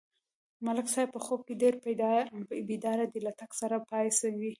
ملک صاحب په خوب کې ډېر بیداره دی، له ټک سره پا څېږي.